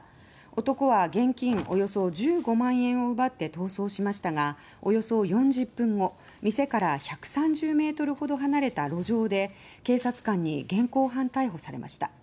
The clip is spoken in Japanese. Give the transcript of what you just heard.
男は現金およそ１５万円を奪って逃走しましたがおよそ４０分後店から１３０ｍほど離れた路上で警察官に現行犯逮捕されました。